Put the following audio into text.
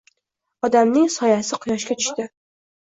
Odamning soyasi quyoshga tushdi